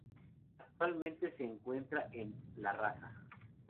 Actualmente se encuentra en La Raza.